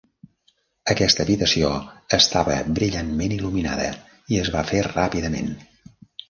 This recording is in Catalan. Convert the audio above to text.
Aquesta habitació estava brillantment il·luminada i es va fer ràpidament.